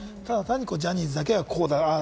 ジャニーズだけが、ああだ